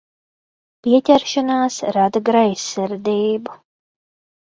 Pieķeršanās rada greizsirdību.